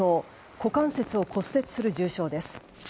股関節を骨折する重傷です。